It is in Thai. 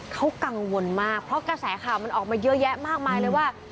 เขากังวลมากเพราะกระแสข่าวมันออกมาเยอะแยะมากมายเลยว่า